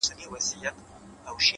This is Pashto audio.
ځكه ځوانان ورانوي ځكه يې زړگي ورانوي”